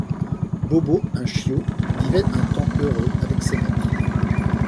Bobo, un chiot, vivait un temps heureux avec ses maîtres.